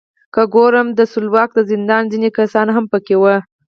که ګورم د سلواک د زندان ځینې کسان هم پکې وو.